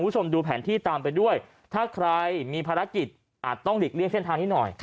คุณผู้ชมดูแผนที่ตามไปด้วยถ้าใครมีภารกิจอาจต้องหลีกเลี่ยงเส้นทางนี้หน่อย